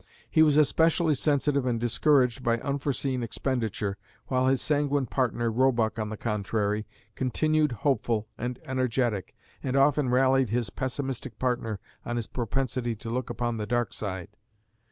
He was especially sensitive and discouraged by unforeseen expenditure, while his sanguine partner, Roebuck, on the contrary, continued hopeful and energetic, and often rallied his pessimistic partner on his propensity to look upon the dark side.